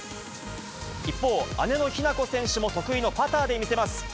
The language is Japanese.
一方、姉の日向子選手も、得意のパターで見せます。